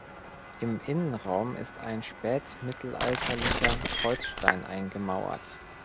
Im Innenraum ist ein spätmittelalterlicher Kreuzstein eingemauert.